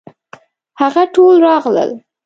هغه ټول راغلل.